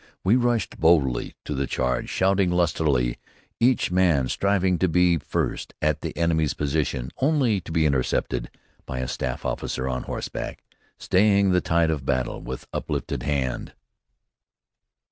We rushed boldly to the charge, shouting lustily, each man striving to be first at the enemy's position, only to be intercepted by a staff officer on horseback, staying the tide of battle with uplifted hand.